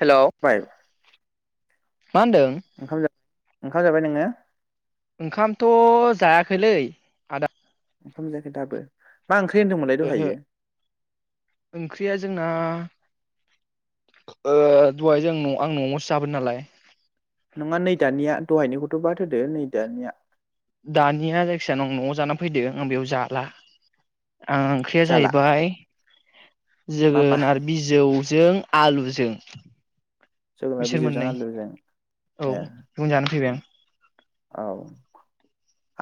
Hello बाय मा होनदों? ओंखाम जा ओंखाम जाबाय नोङो? ओंखामथ' जायाखैलै आदा। ओंखाम जायाखै दाबो। मा ओंख्रि होनदोंमोनलाय ओहो दहायो ओंख्रिया जोंना ओ दहाय जों न' आं न'आवसो जाबोदो नालाय। नङा नै दानिया दहायनिखौथ' बाद होदो नै दानिया। दानिया जायखिजाया नं न'आव जानानै फैदो आं बेयाव जाला। आं ओंख्रिया जाला जाहैबाय मा मा जोगोनार बिजौ जों आलुजों जोगोनार बिसोर बिजौजों मोननै आलुजों औ ए न'वावनो जाना फैबाय आं। औ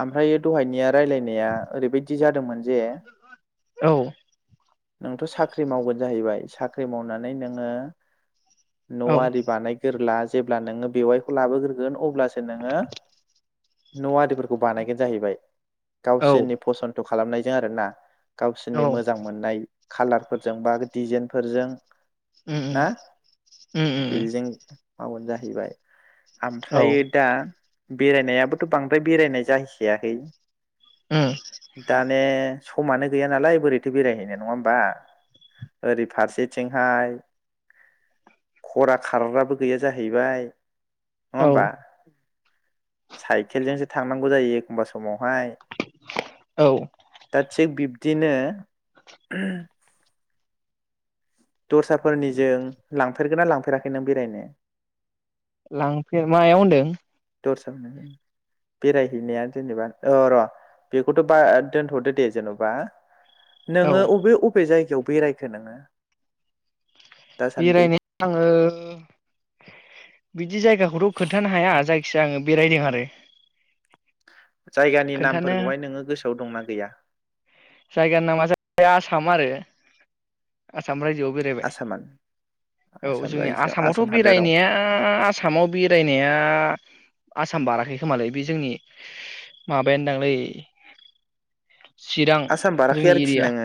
ओमफ्रायो दहायनिया रायलायनाया ओरैबायदि बिदि जादोंमोन जे औ नोंथ' साख्रि मावगोन जाहैबाय साख्रि मावनानै नोङो न' औ आरि बानाय गोरला जेब्ला नोङो बेवाइखौ लाबोग्रोगोन अब्लासो नोङो न आरिफोरखौ बानायगोन जाहैबाय औ गावसोरनि फसन्थ खालामनायजों आरोना औ गावसोरनि मोजां मोननाय खालारफोरजों बा डिजाइनफोरजों उम उम ना उम उम बेजों हाबा जा फैबाय औ आमफ्रय दा बेरायनायाबोथ बांद्राय बेरायनाय जाहैखायाखै उम दाने समानो गैया नालाय बोरैथो बेरायहैनाय नङा होमबा ओरै फारसेथिंहाय खरा खारग्राबो गैया जाहैबाय नङा औ होनबा? साइकेलजोंसो थांनांगौ जायो एखमबा समाव बाय औ दा थिख बि दिनो दस्राफोरनिजों लांफेरगोन ना लांफेराखै नों बेरायनो? लांफेर मायाव होनदों? दस्रा बेरायहैनाया जेनेबा अ र बेखौथ बाद दोनथदो दे जेनेबा औ नोङो अबे अबे जाय याव बेरायखो नोङो? दासान्दि बेरायनाय आङो बिदि जायगाखौथ खोन्थानो हाया जाय खिजाया आङो बेरायदों आरो जायगानि खोन्थानो नामफोरखौहाय नोङो गोसोआव दंना गैया? जायगानि नामा जाहैबाय आसाम आरो आसाम राय जो बेरायबाय आसामान औ आसाम जोंनि रायजोआव आसामावथ आसाम हादोराव बेरायनाया आसामाव बेरायनाया आसाम बाराखै खोमालाय बे जोंनि माबायानोदांलै चिरां आसाम बाराखै जोंनि आरिखि एरिया नोंङो?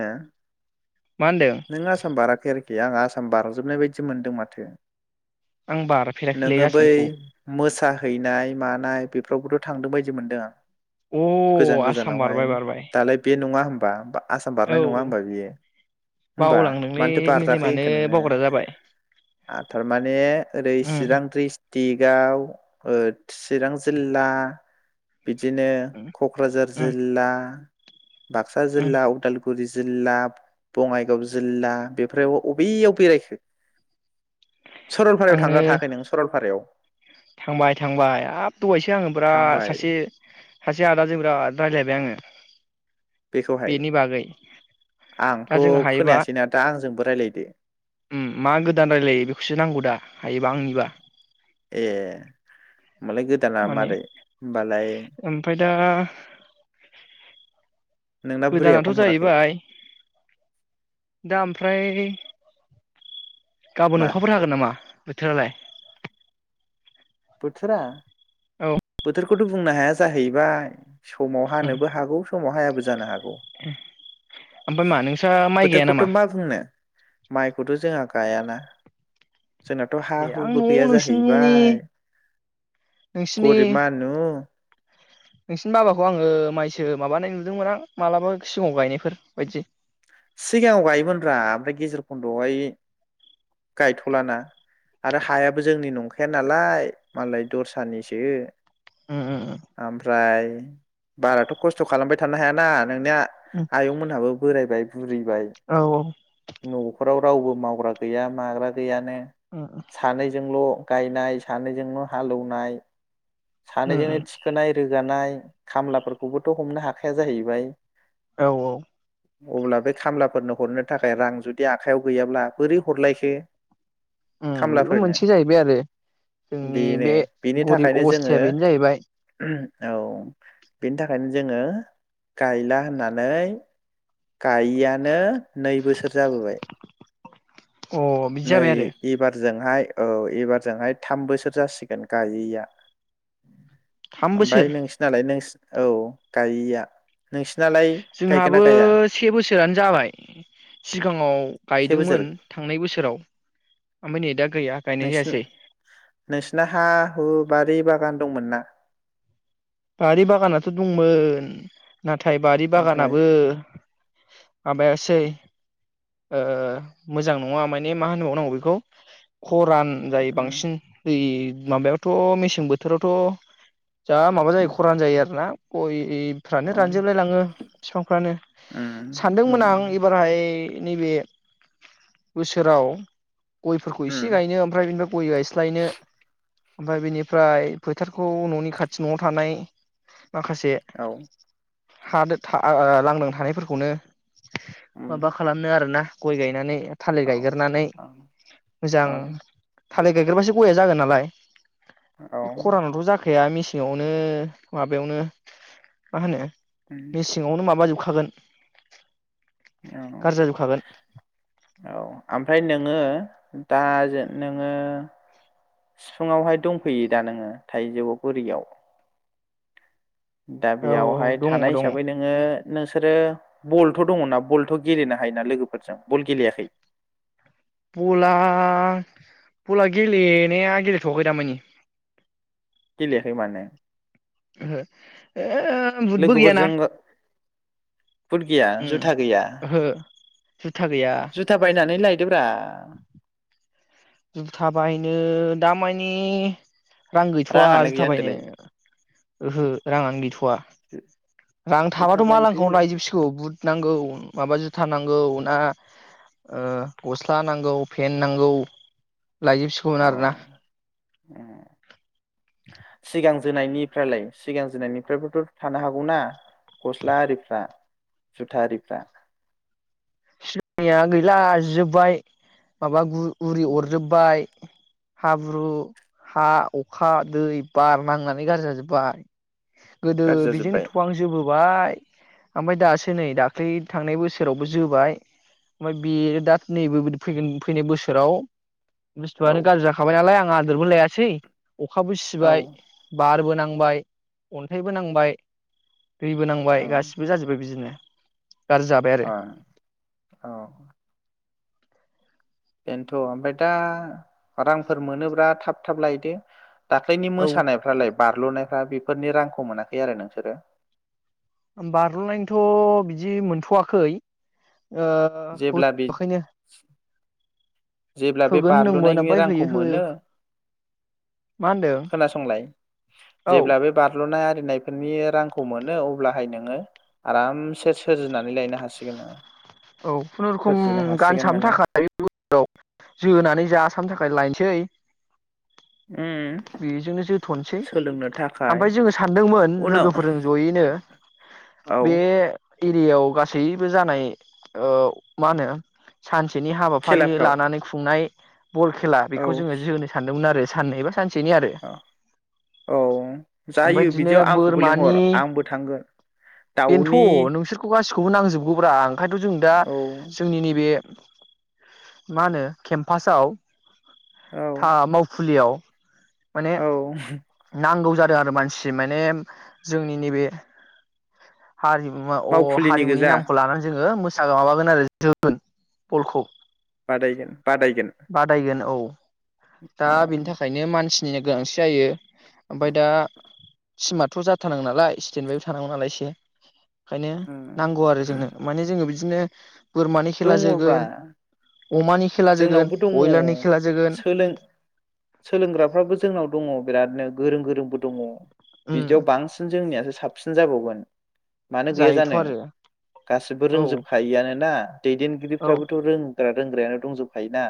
मा होनदों नोंङो आसाम बाराखै आरोखि ए आङा आसाम बारजोबनाय बायदि मोनदों माथो आं बारफेराखैलै नोङो बै आसामखौ मोसाहैनाय मानाय बे फ्रावबोथ' थांदों बायदि मोनदों आं अ गोजान आसाम गोजानावहाय बारबाय बारबाय दालाय बे नङा होनोमबा बा आसाम औ बारनाय नङा होमबा बियो होमबा बावलांदोंलै मानोथो बारराखै मेलेमानो होनखो नोङो बावग्रा जाबाय आ थारमाने ओरै उम चिरां ड्रिस टिगाव ओ चिरां जिल्ला बिदिनो उम क'क्राझार उम जिल्ला बाक्सा उम जिल्ला उदाल गुरि जिल्ला बङाइगाव जिल्ला बेफ्रायाव अबेयाव बेरायखो? सरलपारायाव आङो थांगोना थाङाखै नों सरलपारायाव? थांबाय थांबाय हाब दहायसो आङोबोरा थांबाय सासे सासे आदाजो बिराद रायलायबाय आङो। बेखौहाय बेनि बागै आंथ' दा जों हायोबा खोनायासैना दा आंजोंबो रायलायदो उम मा गोदान रायलायो बेखौसो नांगौ दा हायोबा आंनिबा ए होमबालाय गोदाना माने मारै होमबालाय ओमफ्राय दा नोंना बुरैया फन गोदानाथ' हराखै जाहैबाय दा ओमफ्राय [inaudible] गाबोन मा अखाफोर हागोन नामा? बोथोरालाय बोथोरा औ बोथोर खौथ' बुंनो हाया जाहैबाय समाव हानोबो हागौ समाव हायाबो जानो हा उम ओमफाय मा नोंसा माइ गाया बोथोरखौथ' नामा? मा बुंनो माइखौथ' जोंहा गायाना जोंनाथ' हा ए आं हुबो न'आव गैया नोंसिनि जाहैबाय नोंसिनि गरिब मानु उम नोंसिनि बाबाखौ आङो माइसो माबानाय नुदोंमोन आं मालाबा सिगाङाव गायनायफोर बायदि सिगाङाव गायोमोनब्रा ओमफ्राय गेजेर खन्द'आवहाय गायथ'लाना आरो हायाबो जोंनि नंखाया नालाय मालाय दस्रानिसो उम उम ओमफ्राय बाराथ खस्थ खालामबाय थानो हायाना नोंनिया उम आयं मोनहाबो बोरायबाय बुरिबाय औ औ नखराव रावबो मावग्रा गैया माग्रा गैयानो उम सानैजोंल गायनाय सानैजोंनो हालौवनाय उम सानैजोंनो उम थिखोनाय रोगानाय खामलाफोरखौबोथ हमनो हाखाया जाहैबाय औ औ अब्ला बे खामलाफोरनो हरनो थाखाय रां जुदि आखाइायाव गैयाब्ला बोरै हरलायखो उम बेबो खामलाफोरनो मोनसे जाहैबाय आरो जोंनि बेनो बे बेनि गरिब थाखायनो जोङो अबस्थाया बेनो जाहैबाय औ बेनि थाखायनो जोङो गायला होननानै गायिआनो नै बोसोर जाबोबाय अ बिदि नै जाबाय आरो एबारजोंहाय औ एबारजोंहाय थाम बोसोर जासिगोन गायैया थाम बोसोर ओमफाय नोंसिनालाय नों औ गायिया जोंहाबो से बोसोरानो जाबाय सिगाङाव से बोसोर गायदोंमोन थांनाय बोसोराव आमनिदा नोंसिना नोंसिना हा हु बारि बागान दंमोन ना? बारि बागानाथ दंमोन नाथाय बारि ओमफ्राय बागानाबो माबायासै ओ मोजां नङा माने मा होनोबावनांगौ बेखौ खरान जायो उम बांसिन दै माबायावथ मेसें बोथोरावथ जा माबा उम खरान जायो आरो ना गय इरि फानो उम रानजोबलायलाङो फोरानो उम सानदोंमोन आं उम एबारहाय नैबे बोसोराव गयफोरखौ इसे उम गायनो ओमफ्राय बेनिफ्राय गय गायस्लायनो ओमफ्राय बेनिफ्राय फोथारखौ न'नि खाथि न'आव थानाय माखासे औ हा दो था ओ लांदां थानायफोरखौनो उम माबा खालामनो आरोना गय गाय नानै थालिर औ गायगारनानै औ मोजां औ थालिर गायगोरबासो गया जागोन नालाय औ खरानथ' जा खाया मेसेङावनो माबायावनो मा होनो उम [inaudible] हागोन औ औ आमफ्राय नों नोङो दा नोङो सिफुुंआवहाय दंफैयो दा नोङो थाइजौगुरिआव? दा औ औ बेयावहाय दङ थानाय दङ हिसाबै नोङो नों सोरो बलथ' दङना बलथ' गेलेनो हायोना लोगोफोरजों बल गेलेयाखै? बला बला गेलेनाया गेलेथ'आखै दामानि गेलेयाखै माने ओहो ओ हो बुदबो लोगोफोरजों गैयाना बुट गैया उम जुथा गैया ओहो जुथा गैया जुथा बायनानै लाइ दोब्रा जुथा बायनो दामानि रां गैथ'वा राङानो गैया होनदोलाय जुथाबायनो ओहो रांआनो गैथ'वा रां जुथा थाबाथ' बायदो मालांखोआवनो लायजोबसिगौ बुदनांगौ माबा जुथ जुथा नांगौ ना ओ गस्ला नांगौ फेन नांगौ लायजोब सिगौमोन अ आरोना उम सिगां जोनायनिफ्रा लाय सिगां जोनायनिफ्रायबोथ' थानो हागौना गस्ला आरिफ्रा जुथा आरिफ्रा दा गैला जिजोबबाय माबा गु उरि अरजोबबाय हाब्रु हा अखा दै बार नांनानै गाज्रि जाजोब्बाय गोदो गाज्रि बिजोंनो जाजोब्बाय थआंजोबो [unintelligible] बाय ओमफ्राय दासो नै दाख्लै थांनाय बोसोरावबो जोबाय ओमफ्राय बेयो दा नैबे फैगोन फैनाय बोसोराव औ बुस्थुआनो गाज्रि जाखाबाय नालाय आं आदोर बो लायासै अखाबो औ सिबाय बारबो नांबाय अन्थाइबो नांबाय दैबो नांबाय औ गासिबो जाजोब्बाय बिदिनो गारजि जाबाय आरो अ बेनोथ' ओमफ्राय दा रांफोर मोनोब्रा थाब थाब लायदो। दाख्लैनि औ मोसानायफ्रालाय बारल' नायफ्रा बेफोरनि रांखौ मोनाखै आरो नोंसोरो? बारलनायनिथ' बिदि मोनथ'वाखै ओ जेब्ला बे होथ'आखैनो। जेब्ला बे बारलुनायनि रांखौ मोनो मा होनदों खोनासंलाय औ जेब्ला बे बारलुनाय नायफोरनि रांखौ मोनो अब्लाहाय नोङो आरामसे सोरजिनानै लायनो हासिगोन ना। औ खुनुरुखुम गानसाबनो माने थाखाय औ जोनानै जासाबनो थाखाय लायनोसै। उम बेजोंनो जोथ' नोसै सोलोंनो थाखाय ओमफ्राय जोङो सानदोंमोन उनाव लोगोफोरजों जयैनो औ बे एरियायाव गासैबो जानाय औ मा होनो सानस सेनि हाबाफारि खेलाफ्राव लानानै खुंनाय बल खेला औ बेखौ जोङो जोनो सानदोंमोन आरो साननै बा सानसेनि आरो औ ओमफ्राय जायो इदिनो बिदियाव आंखौबो लिंहर बोरमानि आंबो थांगोन दाउनि बेनोथ' नोंसोरखौबा सोर खौबो नांजोबगौ ब्रा ओंखार जों दा औ जोंनि नैबे मा होनो केम्पासयाव औ था मावफुलियाव माने औ नांगौ जादों आरो मानसि माने जोंनि नैबे हारिमुवाउ अ मावखुलिनि हारिमुनि गोजा नामखौ लानानै जोङो मो सा माबागोन आरो जोगोन बलखौ। बादायगोन बादायगोन। बादायगोन औ दा औ बिनि थाखायनो मानसि निनो गोनांथि जायो। ओमफ्राय दा टिमाथ' जाथारनांगौ नालाय सिटेन बायबो थानांगौ नालाय एसे ओंखायनो उम नांगौ आरो जोंनो माने जोङो बि दिनो बोरमानि खेला दङब्रा जोगोन अमानि खेला जोगोन जोंनावबो दङ बयलारनि खेला जोगोन सोलों सोलोंग्राफ्राबो जोंनाव दङ' बिरादनो गोरों गोरोंबो दङ। उम बिदियाव बांसिन जोंनियासो साबसिन जाबावगोन। मानो गैया जायोथ' जानो आरो गासिबो औ रोंजोबखायो आनो ना औ दैदेनगिरिफ्राबोथ' रों बारा रोंग्रायानो दंजोबखायोना।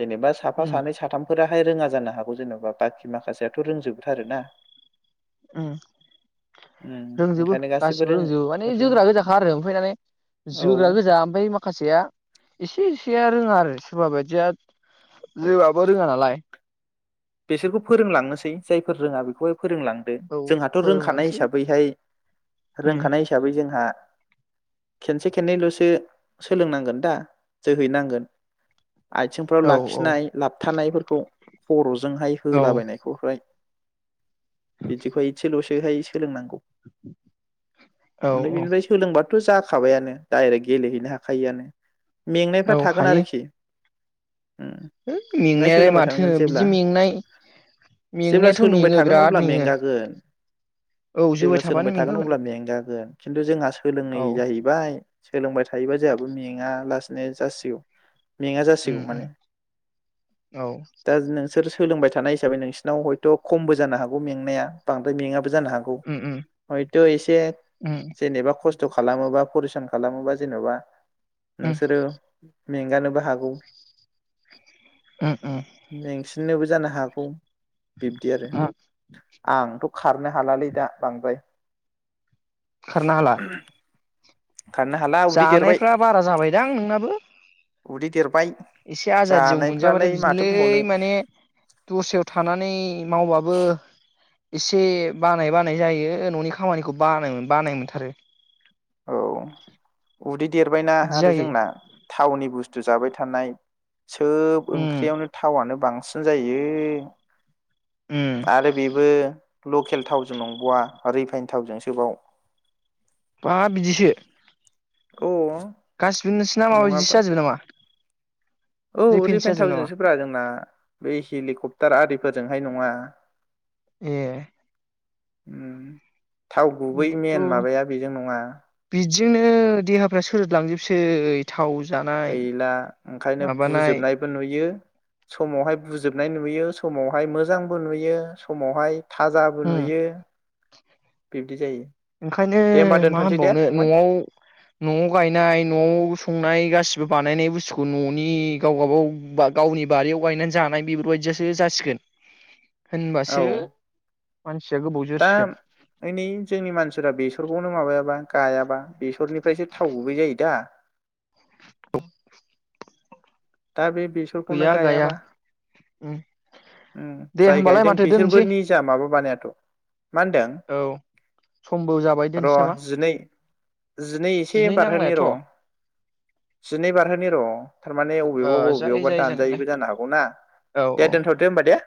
जेनेबा साफा उम सानै साथामफोरा बाहाय रोङा जानो हागौ जेन'बा बाखि माखासेयाथ' रोंजोबथारो ना। उम रोंजोबो ओंखायनो गासैबो गासिबो रों रोंजोबो माने रों जोग्रा गोजाखा आरो ओमफ्राय माने औ जोग्रा गोजा ओमफ्राय माखासेया एसे सेया रोङा आरो सोरबा बायदिया जोबाबो रोङा नालाय। बिसोरखौ फोरोंलांनोसै जायफोर रोङा बेखौहाय फोरोंलांदो औ जोंहाथ' रोंखानाय फोरोंलांसै हिसाबैहाय उम रोंखानाय हिसाबै जोंहा खेनसे खननैल'सो सोलोंनांगोन दा जोहैनांगोन। आइथिंफ्राव औ औ लाखिनाय लाबथानायफोरखौ खर' जोंहाय औ होलाबायनायखौहाय इदिखौ इसेल' बेहाय सोलोंनांगौ औ ओमफ्राय बेनिफ्राय सोलोंबा थ' जाखाबायानो दायरेक गेलेहैनो हाखायोआनो। मेंनायफ्रा औ थागोन हायो आरोखि। उम ओमफ्राय मेंनायालाय सोलोंबाय माथो थानांगोन बिदि जेब्ला मेंनाय जेब्ला मेंनायाथ' सोलोंबाय मेङो थागोन बिराद अब्ला मेङो मेंगागोन औ जोबाय जेब्ला थाबानो सोलोंबाय थागोन मेंगागोन अब्ला मेंगागोन खिन्थु जोंहा सोलोंनाय औ जाहैबाय सोलोंबाय थायोबा जोंहाबो मेङा लासेनो जासिगौ मेङा जासिगौ उम उम माने औ दा नोंसोर सोलोंबाय थानाय हिसाबै नोंसिनाव हयथ' खमबो जानो हागौ मेंनाया बांद्राय मेङा बो जानो हागौ उम उम हयथ' एसे उम उम जेनेबा खस खस्थ' खालामोबा परिसान खालामोबा जेन'बा उम नोंसोरो मेंगानोबो हागौ। उम उम। नोबो जानो हागौ। बिब्दि आरो आंथ' खारनो हालालै दा बांद्राय खारनो हाला? खारनो हाला उदै देरबाय जानायफ्रा बारा जाबायदां नोंनाबो उदै देरबाय। एसे आजादियाव मोनजाबाथाय जानायफ्रालाय माथो बिदिनोलै बुंबावनो माने दस्रायाव थानानै मावबाबो एसे बानाय बानाय जायो न'नि खामानिखौ बानाय-बानाय मोनथारो। औ उदै देरबायना बिदि आरो जायो जोंना थावनि बुस्थ थु जाबाय थानाय सोब उम ओंख्रियावनो थावानो बां सिन जायो उम आरो बेबो लकेल थावजों नंबावा रिफाइन थावजोंसोबाव बाब बिदिसो अ गासिबो नोंसोरना माबा इदिसो जाजोबो नामा? औ रिफिनसो जाजोबो नामा रिफाइनथावजोंसो ब्रा जोंना। बे हेलिकप्टार आरिफोरजोंहाय नङा। ए उम थाव गुबै होनबाथ' मेन माबाया बेजों नङा बिदिजोंनो देहाफ्रा सोरोदलांजोबसै थाव जानाय गैला ओंखायनो माबानाय बुजोबनायबो नुयो। समावहाय बुजोबनाय नुयो समावहाय मोजांबो नुयो समावहाय थाजाबो उम नुयो बिब्दि जायो ओंखायनो दे होमबा मा दोनथ'सै दे होनबावनो फंबाय न'आव न'आव गायनाय न'आव संनाय गा बिबो बानायनाय बुस्थुखौ न'नि गाव गाबाव गावनि बारियाव गायनानै जानाय बेफोरबायदियासो जासिगोन। औ होनबासो मान दा ऐनै जोंनि मानसिफ्रा बेसरखौनो माबायाबा गायाबा बेसरनिफ्रायसो थाव गुबै जायो दा। औ दा बे बेसरखौनो गैया गाया गायाबा उम उम दे जाय होमबालाय गायदों माथो बेसोरबो दोननोसै निजा माबाबानाय [inaudible] मा होनदों औ समबो जाबाय र दोनसै नामा जिनै जिनै एसे बारहोनि र' जिनै बारहोनि र थारमान ओ बबेयावबाबा जायो बबेयावबा जायो जानायालाय दानजायैबो जानो हागौना औ दे औ दोनथदो होमबा दे